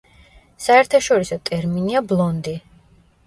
საერთაშორისო ტერმინია ბლონდი.